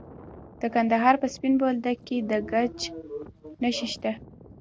د کندهار په سپین بولدک کې د ګچ نښې شته.